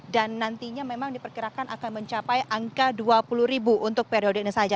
dan nantinya memang diperkirakan akan mencapai angka dua puluh ribu untuk periode ini saja